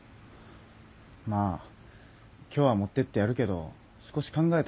まあ今日は持ってってやるけど少し考えた方がよくないか？